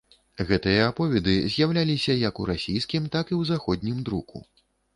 Гэтыя аповеды з'яўляліся як у расійскім, так і ў заходнім друку.